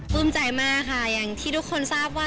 ใจมากค่ะอย่างที่ทุกคนทราบว่า